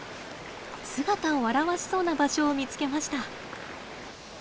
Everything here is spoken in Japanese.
姿を現しそうな場所を見つけました。